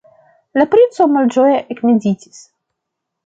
La princo malĝoje ekmeditis.